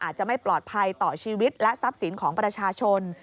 อาจจะไม่ปลอดภัยต่อชีวิตและทรัพย์สินของประชาชน